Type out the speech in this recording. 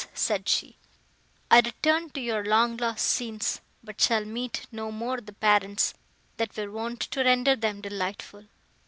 said she, "I return to your long lost scenes, but shall meet no more the parents, that were wont to render them delightful!